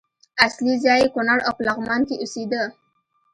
اصلي ځای یې کونړ او په لغمان کې اوسېده.